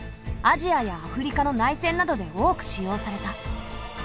アジアやアフリカの内戦などで多く使用された。